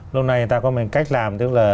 lâu nay người ta có một cách làm tức là